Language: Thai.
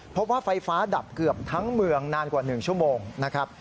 พบว่าไฟฟ้าดับเกือบทั้งเมืองนานกว่า๑ชั่วโมงนะครับ